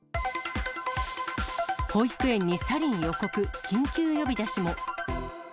保育園にサリン予告、緊急呼び出しも。